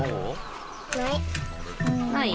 ない？